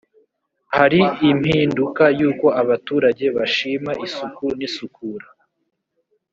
hari impinduka y uko abaturage bashima isuku n isukura